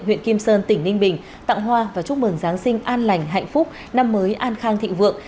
huyện kim sơn tỉnh ninh bình tặng hoa và chúc mừng giáng sinh an lành hạnh phúc năm mới an khang thịnh vượng